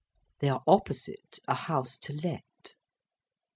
"They are opposite a House to Let."